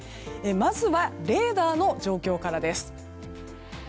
まずは、レーダーの状況から。